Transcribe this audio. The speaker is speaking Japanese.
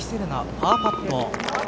パーパット。